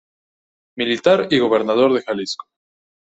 Militar y gobernador de Jalisco.